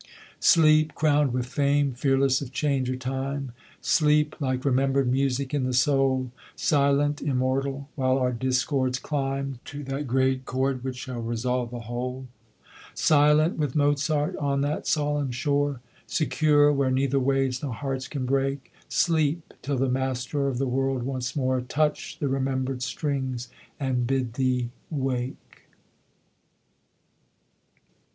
Sleep, crowned with fame, fearless of change or time; Sleep, like remembered music in the soul, Silent, immortal; while our discords climb To that great chord which shall resolve the whole. Silent, with Mozart, on that solemn shore; Secure, where neither waves nor hearts can break; Sleep, till the master of the world once more Touch the remembered strings and bid thee wake.